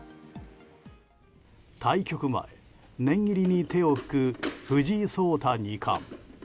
対局前念入りに手を拭く藤井聡太二冠。